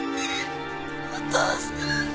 お父さん！